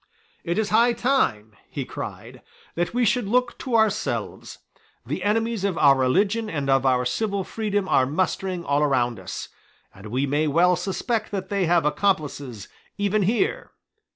"It is high time," he cried, "that we [should find] the enemies of our religion and of our civil freedom are mustering all around us; and we may well suspect that they have accomplices even here.